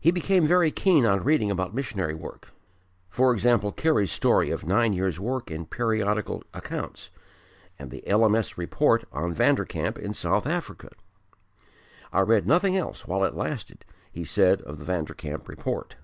He became very keen on reading about missionary work, e.g. Carey's story of nine years' work in Periodical Accounts, and the L.M.S. Report on Vanderkemp in South Africa. "I read nothing else while it lasted," he said of the Vanderkemp report.